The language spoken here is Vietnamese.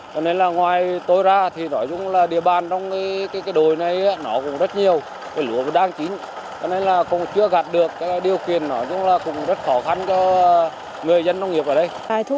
cho nên là ngoài tôi ra thì nói chung là địa bàn trong cái đồi này nó cũng rất nhiều cái lúa đang chín cho nên là cũng chưa gạt được điều kiện nói chung là cũng rất khó khăn cho người dân nông nghiệp ở đây